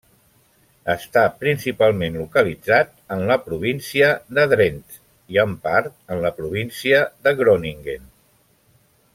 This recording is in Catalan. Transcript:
Està principalment localitzat en la província de Drenthe i en part en la província Groningen.